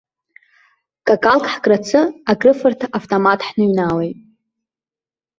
Какалк ҳкрацы акрыфарҭа автомат ҳныҩналеит.